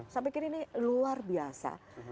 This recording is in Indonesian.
saya pikir ini luar biasa